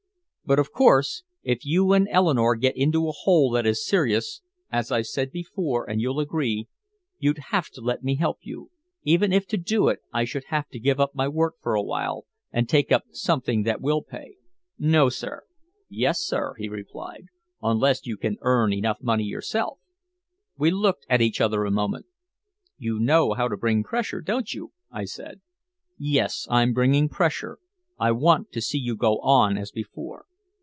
But of course if you and Eleanore get into a hole that is serious as I said before and you'll agree, you'd have to let me help you even if to do it I should have to give up my work for a while and take up something that will pay." "No sir!" "Yes sir," he replied. "Unless you can earn enough money yourself." We looked at each other a moment. "You know how to bring pressure, don't you?" I said. "Yes, I'm bringing pressure. I want to see you go on as before."